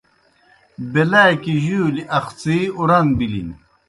بیلاکیْ جُولیْ اخڅِی اُران بِلِن۔